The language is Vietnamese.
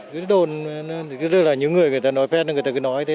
cứ đồn cứ là những người người ta nói phép người ta cứ nói thế